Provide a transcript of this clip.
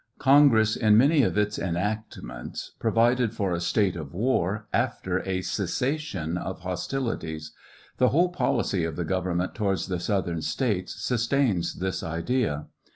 Congress in many of its enactments provided for a state of war after a ces sation of hostilities. The whole policy of the government towards the southern States sustains this idea.